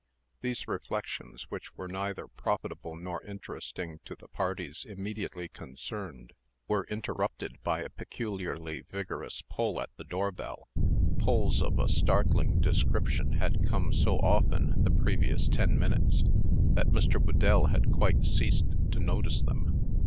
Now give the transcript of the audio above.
These reflections, which were neither profitable nor interesting to the parties immediately concerned, were interrupted by a peculiarly rigorous pull at the door bell. Pulls of a startling description had come so often, the previous ten minutes, that Mr. Whedell had quite ceased to notice them.